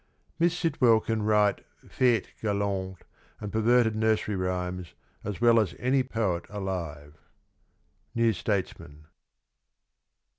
Miss Sitwell can writes Fetes Galantesand perverted nur sery rhymes as well as any poet alive. — New Statesman.